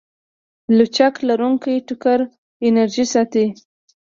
لچک لرونکی ټکر انرژي ساتي.